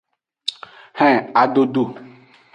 Hen adodo.